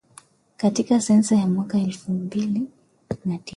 katika sensa ya mwaka elfu mbili na tisa